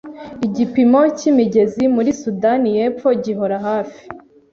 Igipimo cy’imigezi muri Sudani yepfo gihora hafi